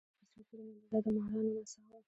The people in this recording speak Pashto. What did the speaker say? بله په زړه پورې ننداره د مارانو نڅا وه.